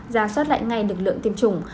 ra soát lại ngay lực lượng tiêm chủng